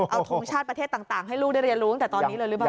เอาทงชาติประเทศต่างให้ลูกได้เรียนรู้ตั้งแต่ตอนนี้เลยหรือเปล่า